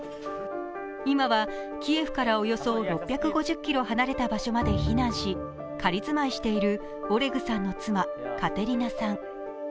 今は、キエフからおよそ６５０ｋｍ離れた場所まで避難し仮住まいしているオレグさんの妻・カテリナさん。